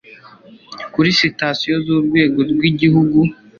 kuri sitasiyo z urwego rw igihugu